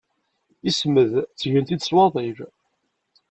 Ismed ttgen-t-id s waḍil.